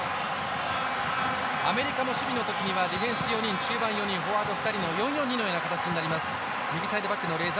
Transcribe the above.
アメリカも守備の時にはディフェンス４人中盤４人、フォワード２人という４−４−２のような形になります。